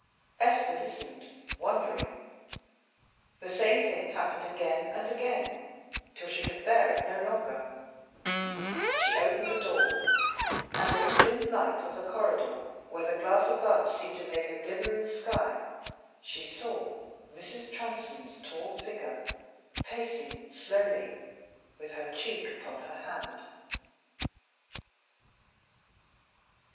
Esther listened, wondering. The same thing happened again and again, till she could bear it no longer. She opened the door, and in the dim light of the corridor, where the glass above seemed to make a glimmering sky, she saw Mrs. Transome's tall figure pacing slowly, with her cheek upon her hand.